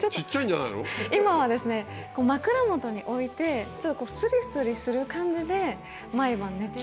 今は、枕元に置いて、ちょっとすりすりする感じで、毎晩、寝てる。